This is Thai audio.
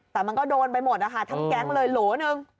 แต่มันก็โดนไปหมดนะคะทั้งแก๊งเลยโหลหนึ่ง